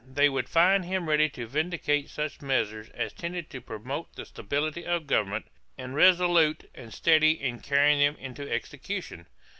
They would find him ready to vindicate such measures as tended to promote the stability of government, and resolute and steady in carrying them into execution.